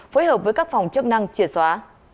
phối hợp với các phòng chức năng triển xóa